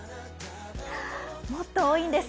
もっと多いんです。